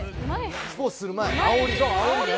スポーツする前あおり。